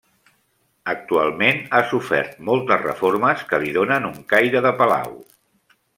Actualment ha sofert moltes reformes que li donen un caire de palau.